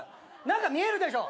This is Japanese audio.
何か見えるでしょ。